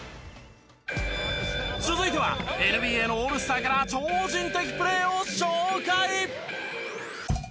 続いてはＮＢＡのオールスターから超人的プレーを紹介！